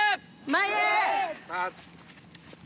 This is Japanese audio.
前へ！